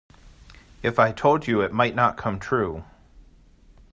If I told you it might not come true.